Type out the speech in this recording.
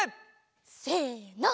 せの。